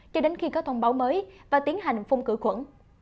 cho đến khi có thông báo mới và tiến hành phung cửa khuẩn